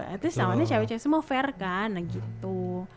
at least lawannya cewek cewek semua fair kan gitu